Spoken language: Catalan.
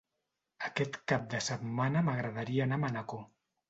Aquest cap de setmana m'agradaria anar a Manacor.